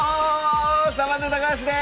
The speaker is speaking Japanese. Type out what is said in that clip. サバンナ高橋です！